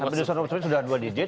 hampir di semua survei sudah dua digit